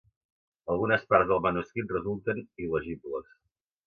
Algunes parts del manuscrit resulten il·legibles.